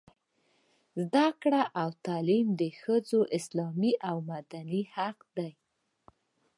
زده کړه او تعلیم د ښځو اسلامي او مدني حق دی.